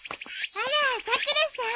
あらさくらさん。